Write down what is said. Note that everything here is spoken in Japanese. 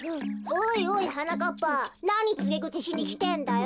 おいおいはなかっぱなにつげぐちしにきてんだよ。